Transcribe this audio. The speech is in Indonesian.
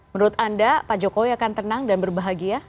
menurut anda pak jokowi akan tenang dan berbahagia